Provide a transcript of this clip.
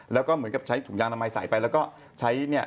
แล้วก็เหมือนกับใช้ถุงยางอนามัยใส่ไปแล้วก็ใช้เนี่ย